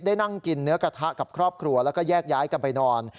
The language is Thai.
นั่งกินเนื้อกระทะกับครอบครัวแล้วก็แยกย้ายกันไปนอน